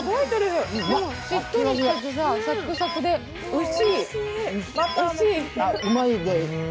しっとりしてサクサクでおいしい。